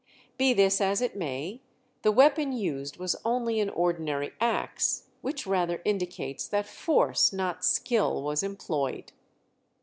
Be this as it may, the weapon used was only an ordinary axe, which rather indicates that force, not skill, was employed.